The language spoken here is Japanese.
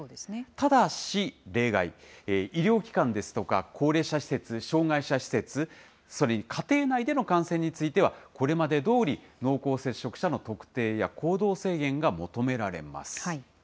ただし例外、医療機関ですとか、高齢者施設、障害者施設、それに家庭内での感染については、これまでどおり濃厚接触者の特定や行動制限が求められます。